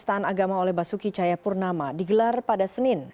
penistaan agama oleh basuki cahaya purnama digelar pada senin